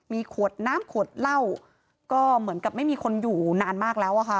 มีขวดน้ำขวดเหล้าก็เหมือนกับไม่มีคนอยู่นานมากแล้วอะค่ะ